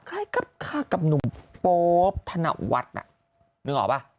คล้ายกับค่ากับหนุ่มโป๊ปธนวัฒน์นึกออกป่ะ